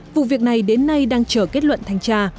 vụ việc này đến nay đang chờ kết luận thanh tra